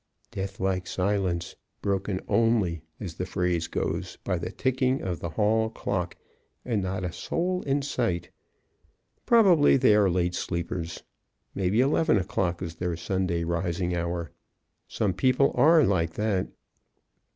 Deathlike silence, broken only, as the phrase goes, by the ticking of the hall clock, and not a soul in sight. Probably they are late sleepers. Maybe eleven o'clock is their Sunday rising hour. Some people are like that.